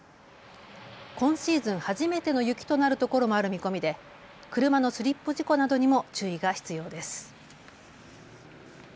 今シーズン初めての雪となるところもある見込みで車のスリップ事故などにも注意が必要です。